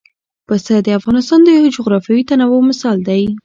پسه د افغانستان د جغرافیوي تنوع مثال دی.